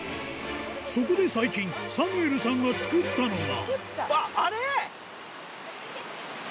そこで最近、サムエルさんが作っあれ？